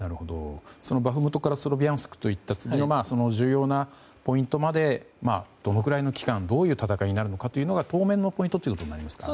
そのバフムトからスロビャンスクといった重要なポイントまでどのくらいの期間どういう戦いになるのかが当面のポイントになりますか？